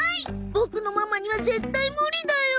ボクのママには絶対無理だよ。